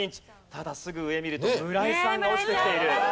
ただすぐ上見ると村井さんが落ちてきている。